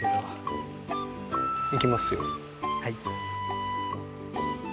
はい。